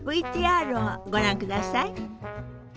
ＶＴＲをご覧ください。